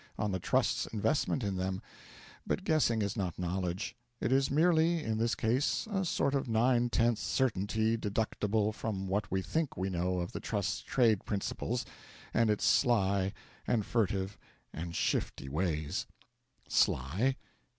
on the Trust's investment in them, but guessing is not knowledge; it is merely, in this case, a sort of nine tenths certainty deducible from what we think we know of the Trust's trade principles and its sly and furtive and shifty ways. Sly?